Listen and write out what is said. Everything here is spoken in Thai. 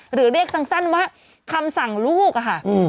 หรือเรียกสั้นว่าคำสั่งลูกค่ะ